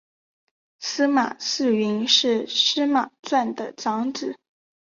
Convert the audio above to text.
司马世云是司马纂的长子。